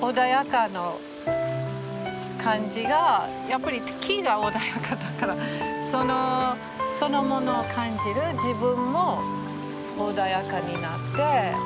やっぱり木が穏やかだからそのものを感じる自分も穏やかになって。